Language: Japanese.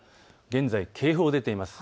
現在、警報が出ています。